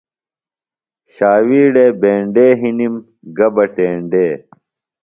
شاویڑے بینڈے، ہِنم گہ بہ ٹینڈے